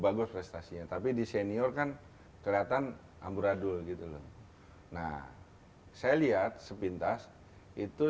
bagus prestasinya tapi di senior kan kelihatan amburadul gitu loh nah saya lihat sepintas itu